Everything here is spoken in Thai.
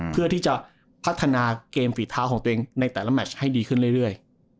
เพื่อที่จะพัฒนาเกมฝีเท้าของตัวเองในแต่ละแมชให้ดีขึ้นเรื่อย